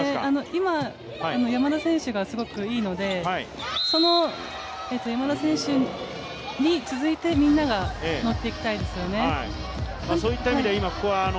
今、山田選手がすごくいいので、その山田選手に続いて、みんながノッていきたいですよね。